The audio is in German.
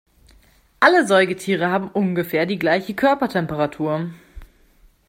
Alle Säugetiere haben ungefähr die gleiche Körpertemperatur.